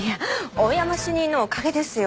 大山主任のおかげですよ。